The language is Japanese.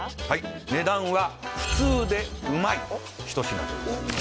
値段は普通でうまい一品です